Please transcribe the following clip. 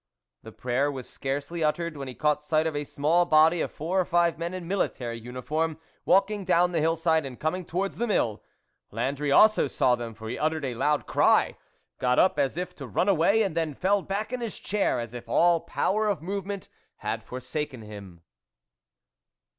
. The prayer was scarcely uttered, when he caught sight of a small body of four or five men in military uniform, walking down the hill side and coming towards the mill. Landry also saw them ; for he uttered a loud cry, got up as if to run away, and then fell back in his chair, as if all power of movement had forsaken him.